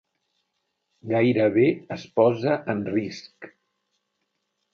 Gairebé es posa en risc.